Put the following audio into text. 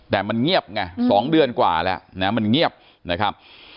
แต่มันเงียบไง๒เดือนกว่าแล้วนะมันเงียบนะครับ